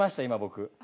今僕。